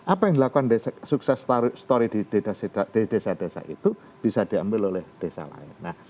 apa yang dilakukan sukses story di desa desa itu bisa diambil oleh desa lain